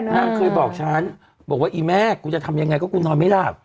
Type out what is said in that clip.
นางเคยบอกฉันบอกว่าอีแม่กูจะทำยังไงก็กูนอนไม่หลับ